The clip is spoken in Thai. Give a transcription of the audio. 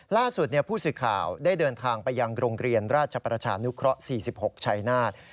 ล่าสุดผู้สื่อข่าวได้เดินทางไปยังโรงเรียนราชประชานุเคราะห์๔๖ชัยนาธ